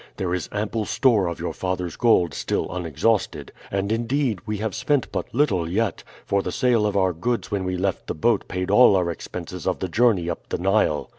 There is ample store of your father's gold still unexhausted; and, indeed, we have spent but little yet, for the sale of our goods when we left the boat paid all our expenses of the journey up the Nile.